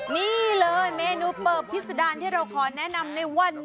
นี่เลยเมนูเปิบพิษดารที่เราขอแนะนำในวันนี้